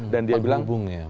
dan dia bilang